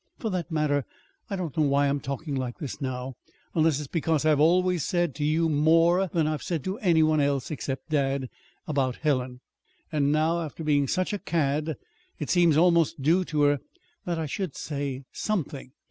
"For that matter, I don't know why I'm talking like this now unless it's because I've always said to you more than I've said to any one else except dad about Helen. And now, after being such a cad, it seems almost due to her that I should say something.